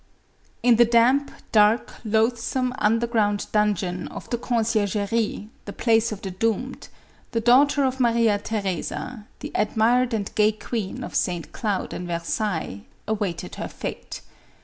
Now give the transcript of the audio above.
In the damp, dark, loathsome, un der ground dungeon of the Conciergerie — the place of the doomed — the daughter of Maria Thersea, the ad mired and gay queen of St. Cloud and Versailles, awaited her fate.